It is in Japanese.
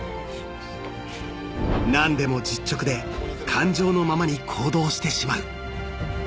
［何でも実直で感情のままに行動してしまう］